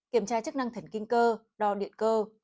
kiểm tra chức năng thần kinh cơ đo điện cơ